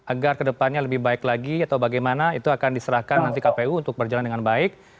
agar kedepannya lebih baik lagi atau bagaimana itu akan diserahkan nanti kpu untuk berjalan dengan baik